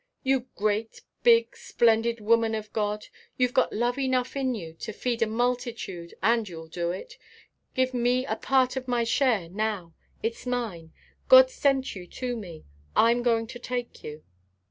"You great, big, splendid woman of God! You've got love enough in you to feed a multitude and you'll do it. Give me a part of my share now. It's mine. God sent you to me; I'm going to take you."